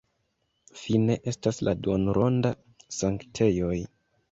Fine estas la duonronda sanktejoj.